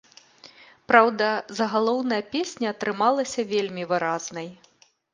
Праўда, загалоўная песня атрымалася вельмі выразнай.